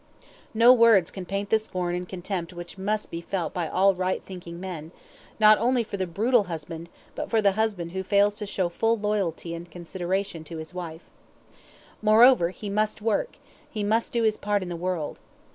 No words can paint the scorn and contempt which must be felt by all right thinking men, not only for the brutal husband, but for the husband who fails to show full loyalty and consideration to his wife. Moreover, he must work, he must do his part in the world.